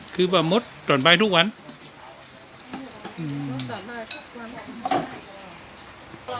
คือบ่ามดส่วนใบทุกวันอืมส่วนใบทุกวัน